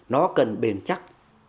nó cần bền chắc